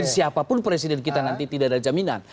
karena itu kita tidak ada jaminan